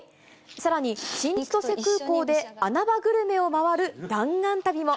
さらに、新千歳空港で穴場グルメを回る弾丸旅も。